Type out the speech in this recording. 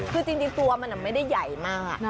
คือจริงตัวมันไม่ได้ใหญ่มาก